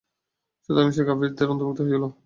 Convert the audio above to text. সুতরাং সে কাফিরদের অন্তর্ভুক্ত হয়ে গেল।